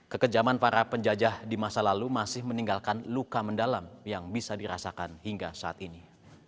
kekejaman para penjajah di masa lalu masih meninggalkan luka mendalam yang bisa dirasakan hingga saat ini